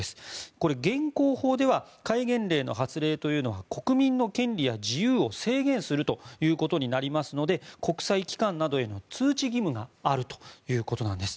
これ、現行法では戒厳令の発令というのは国民の権利や自由を制限するということになるので国際機関などへの通知義務があるということです。